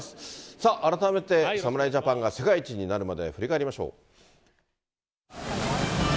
さあ、改めて侍ジャパンが世界一になるまでを振り返りましょう。